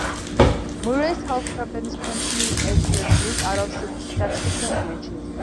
Murray's health problems continued as he was ruled out of subsequent matches.